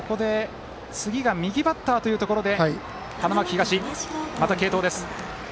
次が右バッターのところで花巻東、また継投です。